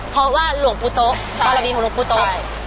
เพราะว่าหลวงปู่โต๊ะบารมีของหลวงปู่โต๊ะ